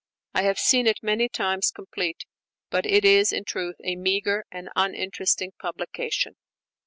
I have seen it many times complete; but it is in truth a meagre and uninteresting publication."